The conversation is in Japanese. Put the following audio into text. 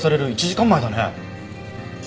１時間前だね。